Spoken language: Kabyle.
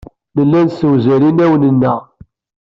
Nella nessewzal inawen-nneɣ.